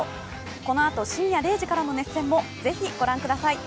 このあと深夜０時からの熱戦もぜひご覧ください。